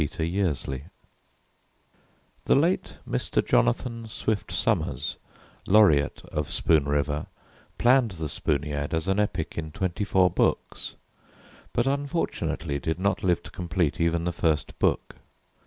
The Spooniad [_The late Mr. Jonathan Swift Somers, laureate of Spoon River (see page 111), planned The Spooniad as an epic in twenty four books, but unfortunately did not live to complete even the first book.